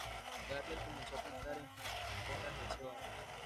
Gardel comenzó a cantar en fondas de ese barrio.